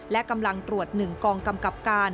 และกำลังตรวจ๑กองกำกับการ